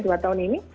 dua tahun ini